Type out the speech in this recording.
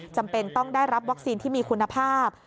จำเป็นต้องได้รับวัคซีนที่มีคุณภาพ